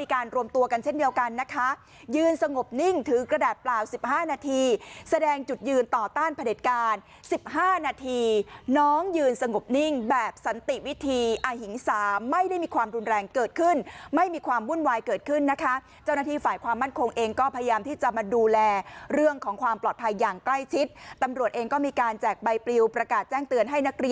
มีการรวมตัวกันเช่นเดียวกันนะคะยืนสงบนิ่งถือกระดาษเปล่าสิบห้านาทีแสดงจุดยืนต่อต้านผลิตการสิบห้านาทีน้องยืนสงบนิ่งแบบสันติวิธีอาหิงสามไม่ได้มีความรุนแรงเกิดขึ้นไม่มีความวุ่นวายเกิดขึ้นนะคะเจ้าหน้าที่ฝ่ายความมั่นคงเองก็พยายามที่จะมาดูแลเรื่องของความปลอดภัยอย่างใ